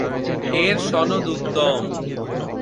এর সনদ উত্তম।